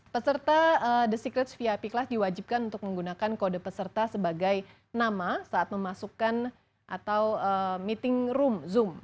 peserta the secretch vip kelas diwajibkan untuk menggunakan kode peserta sebagai nama saat memasukkan atau meeting room zoom